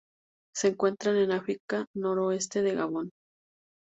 Se encuentran en África: noroeste de Gabón.